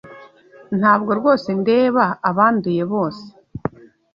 Ntabwo rwose ndeba abanduye bose.